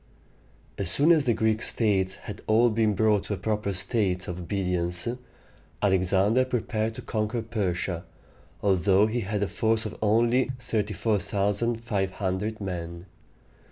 As soon as the Greek states had all been brought to a proper state of obedience, Alexander prepared to conquer Persia, although he had a force of only 34,500 men.